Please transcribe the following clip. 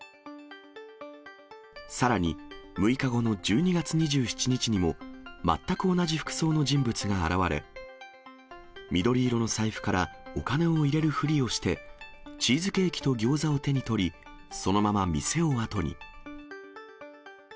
さらに、６日後の１２月２７日にも全く同じ服装の人物が現れ、緑色の財布からお金を入れるふりをして、チーズケーキとギョーザを手に取り、そのまま店を後に。